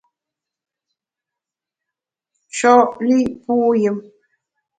Sho’ li’ puyùm !